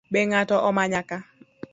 Be ng’ato omanya ka?